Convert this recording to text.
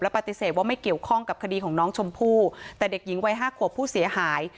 ปฏิเสธว่าไม่เกี่ยวข้องกับคดีของน้องชมพู่แต่เด็กหญิงวัยห้าขวบผู้เสียหาย